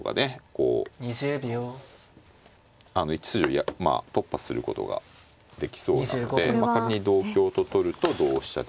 こう１筋を突破することができそうなので仮に同香と取ると同飛車で。